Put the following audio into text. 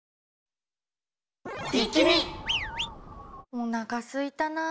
おなかすいたな。